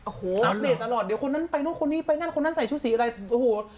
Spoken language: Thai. โอ้โฮอัพเดรตตลอดเดียวคนนั้นไปน่ะคนนี้ไม่ได้คนนั้นใส่ชุดสีไม่ได้